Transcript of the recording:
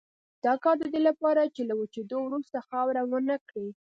دا کار د دې لپاره دی چې له وچېدلو وروسته خاوره ونه کړي.